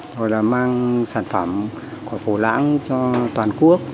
hoặc là mang sản phẩm của phủ lãng cho toàn quốc